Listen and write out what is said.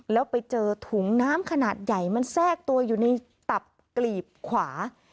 แล้วไปเจอถุงน้ำขนาดใหญ่มันแทรกตัวอยู่ในตับกลีบขวา